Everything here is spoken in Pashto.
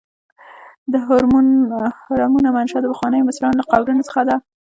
د هرمونو منشا د پخوانیو مصریانو له قبرونو څخه ده.